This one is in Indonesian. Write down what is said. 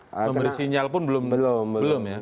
memberi sinyal pun belum